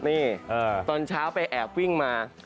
นี่ตอนเช้าไปแอบวิ่งมา